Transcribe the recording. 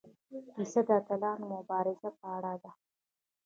کیسه د اتلانو د مبارزو په اړه ده.